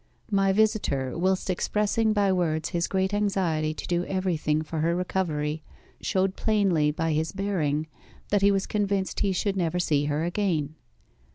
My visitor, whilst expressing by words his great anxiety to do everything for her recovery, showed plainly by his bearing that he was convinced he should never see her again.